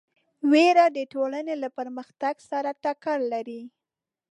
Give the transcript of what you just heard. وېره د ټولنې له پرمختګ سره ټکر لري.